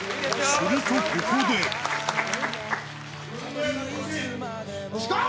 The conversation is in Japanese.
するとここで星！